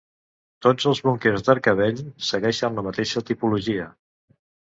Tots els búnquers d'Arcavell segueixen la mateixa tipologia.